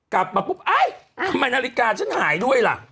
กลับมาปุ๊บเอ้าทำไมนาฬิกาฉันหายด้วยล่ะ